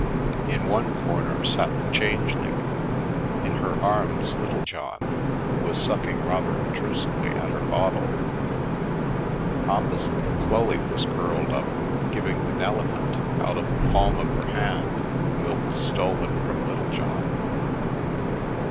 In one corner sat the Changeling, in her arms, Littlejohn, who was sucking rather obtrusively at her bottle. Opposite, Chloe was curled up, giving the Nelephant, out of the palm of her hand, milk stolen from Littlejohn.